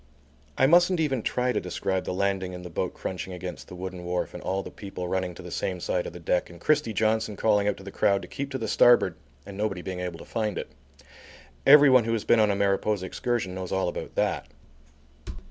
I mustn't even try to describe the landing and the boat crunching against the wooden wharf and all the people running to the same side of the deck and Christie Johnson calling out to the crowd to keep to the starboard and nobody being able to find it. Everyone who has been on a Mariposa excursion knows all about that.